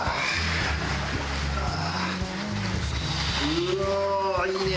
うわあいいね！